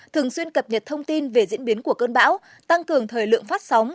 thường xuyên cập nhật thông tin về diễn biến của cơn bão tăng cường thời lượng phát sóng